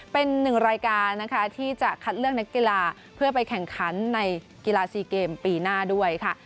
เป็นหนึ่งรายการนะคะที่จะคัดเลือกนักกีฬาเพื่อไปแข่งขันในกีฬา๔เกมปีหน้าด้วยค่ะ